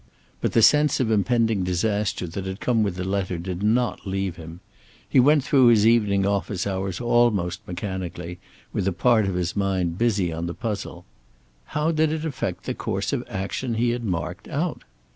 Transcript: But the sense of impending disaster that had come with the letter did not leave him. He went through his evening office hours almost mechanically, with a part of his mind busy on the puzzle. How did it affect the course of action he had marked out?